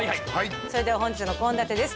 それでは本日の献立です